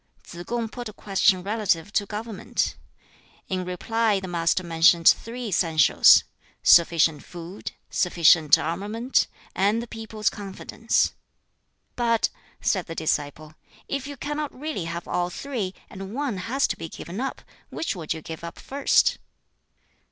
Tsz kung put a question relative to government. In reply the Master mentioned three essentials: sufficient food, sufficient armament, and the people's confidence. "But," said the disciple, "if you cannot really have all three, and one has to be given up, which would you give up first?"